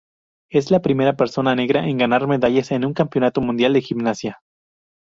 Es la primera persona negra en ganar medallas en un campeonato mundial de gimnasia.